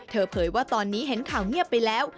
เผยว่าตอนนี้เห็นข่าวเงียบไปแล้ว